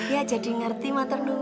ya jadi ngerti matar dulu